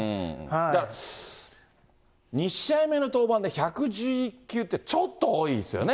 だから、２試合目の登板で１１１球ってちょっと多いですよね。